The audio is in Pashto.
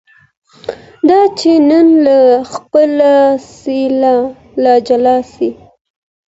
دا چي نن له خپله سېله را جلا یې